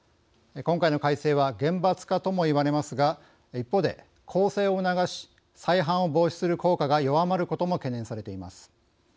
今回の改正は厳罰化とも言われますが一方で更生を促し再犯を防止する効果が弱まることも懸念されています。